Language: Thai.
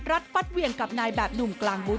รัดฟัดเวียนกับนายแบบหนุ่มกลางบุ๊ต